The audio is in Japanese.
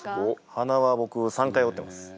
鼻は僕３回折ってます。